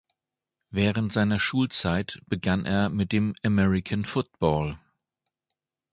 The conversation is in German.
Während seiner Schulzeit begann er mit dem American Football.